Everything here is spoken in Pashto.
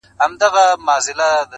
• لا یې لمر پر اسمان نه دی راختلی -